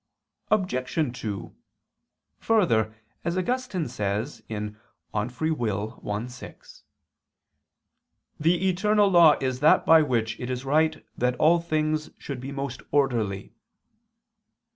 Obj. 2: Further, as Augustine says (De Lib. Arb. i, 6) "the eternal law is that by which it is right that all things should be most orderly."